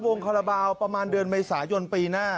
คาราบาลประมาณเดือนเมษายนปีหน้า